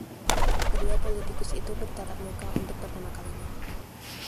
Kedua politikus itu bertatap muka untuk pertama kalinya.